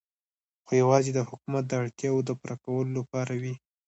خو یوازې د حکومت د اړتیاوو د پوره کولو لپاره وې.